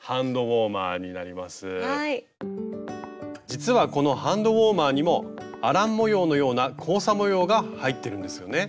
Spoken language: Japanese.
実はこのハンドウォーマーにもアラン模様のような交差模様が入ってるんですよね？